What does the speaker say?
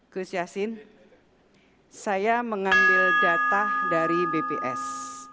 gus yassin saya mengambil data dari bps